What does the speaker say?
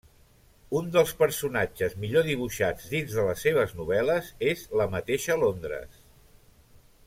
Un dels personatges millor dibuixats dins de les seves novel·les és la mateixa Londres.